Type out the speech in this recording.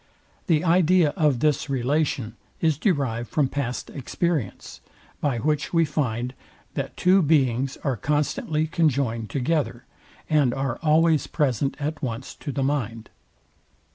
The idea of this relation is derived from past experience, by which we find, that two beings are constantly conjoined together, and are always present at once to the mind.